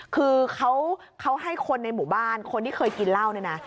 คือเขาให้คนในหมู่บ้านคนที่เคยกินเหล้าเนี่ยนะ